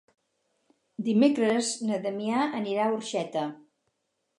Dimecres na Damià anirà a Orxeta.